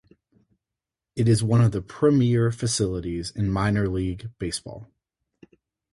It is one of the premier facilities in minor league baseball.